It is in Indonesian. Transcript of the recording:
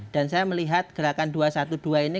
dan saya melihat gerakan dua ratus dua belas ini